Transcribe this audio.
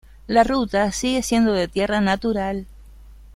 La ruta sigue siendo de tierra natural.